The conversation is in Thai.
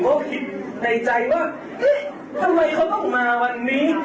เขาคิดในใจว่าเอ๊ะทำไมเขาต้องมาวันนี้